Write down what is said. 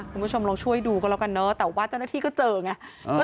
คุณผู้ชมลองช่วยดูก็แล้วกันเนอะแต่ว่าเจ้าหน้าที่ก็เจอไง